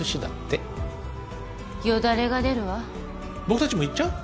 僕たちも行っちゃう？